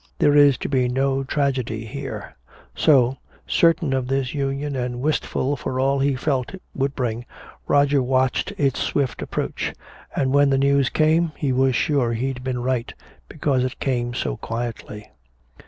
"There is to be no tragedy here." So, certain of this union and wistful for all he felt it would bring, Roger watched its swift approach. And when the news came, he was sure he'd been right. Because it came so quietly.